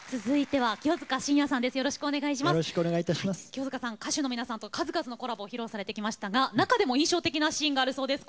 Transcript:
清塚さん歌手の皆さんと数々のコラボを披露されてきましたが中でも印象的なシーンがあるそうです。